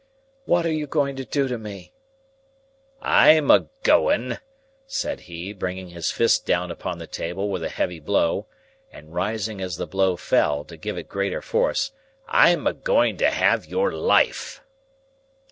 "What are you going to do to me?" "I'm a going," said he, bringing his fist down upon the table with a heavy blow, and rising as the blow fell to give it greater force,—"I'm a going to have your life!"